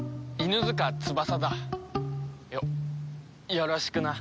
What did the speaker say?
よろしくな。